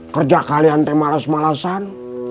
kerja kalian temales malesan